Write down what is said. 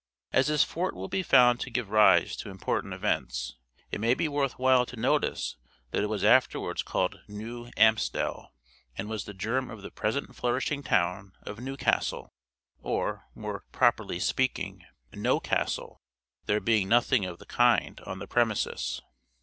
As this fort will be found to give rise to important events, it may be worth while to notice that it was afterwards called Nieuw Amstel, and was the germ of the present flourishing town of Newcastle, or, more properly speaking, No Castle, there being nothing of the kind on the premises.